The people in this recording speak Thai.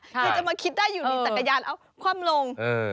คือจะมาคิดได้อยู่ในจักรยานเอ้าคว่ำลง